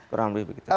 kurang lebih begitu